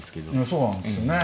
そうなんですよね。